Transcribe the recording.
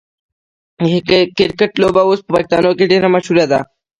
د کرکټ لوبه اوس په پښتنو کې ډیره مشهوره ده.